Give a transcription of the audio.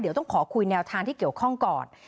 เดี๋ยวต้องขอคุยแนวทางที่เกี่ยวข้องก่อน